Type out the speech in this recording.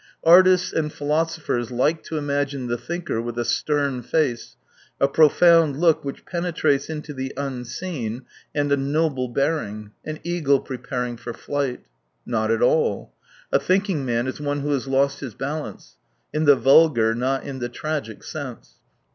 Artists and philosophers like to imagine the thinker with a stern face, a profound look which penetrates into the unseen, and a noble bearing — an eagle preparing for flight. Not at all. A think ing man is one who has lost his balance, in the vulgar, not in the tragic sense.